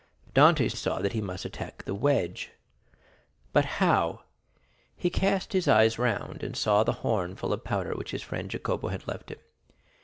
Dantès saw that he must attack the wedge. But how? He cast his eyes around, and saw the horn full of powder which his friend Jacopo had left him.